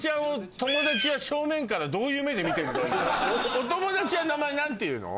お友達は名前何ていうの？